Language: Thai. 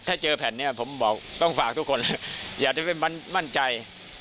ถ้าเจอแผ่นนี้ผมบอกต้องฝากทุกคนอยากจะให้มันมั่นใจ